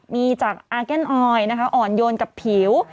มีจากอาร์แกนออยนะคะอ่อนโยนกับผิว